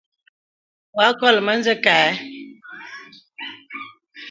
Wɔ a nkɔlə mə zə̀ kâ ə̀.